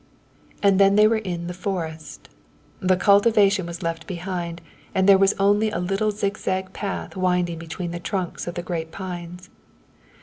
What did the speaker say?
And then they were in the forest. The cultivation was left behind and there was only a little zigzag path winding between the trunks of the great pines.